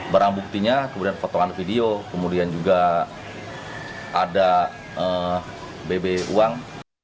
barang buktinya kemudian potongan video kemudian juga ada bb uang